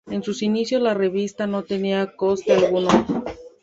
En sus inicios la revista no tenía coste alguno.